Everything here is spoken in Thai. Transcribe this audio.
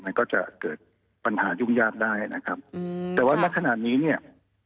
มันก็จะเกิดปัญหายุ่งยากได้นะครับอืมแต่ว่านักขนาดนี้เนี่ย